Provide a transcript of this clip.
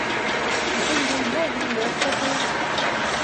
Иҫен юйһа, еңелерәк тә кеүек.